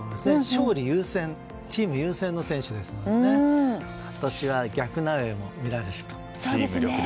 勝利優先でチーム優先の選手ですので今年は逆なおエも見られると。